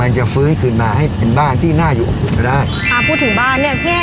จะฟื้นคืนมาให้เป็นบ้านที่น่าอยู่อบอุ่นก็ได้อ่าพูดถึงบ้านเนี้ยพี่